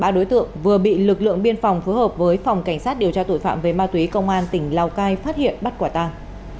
ba đối tượng vừa bị lực lượng biên phòng phối hợp với phòng cảnh sát điều tra tội phạm về ma túy công an tỉnh lào cai phát hiện bắt quả tàng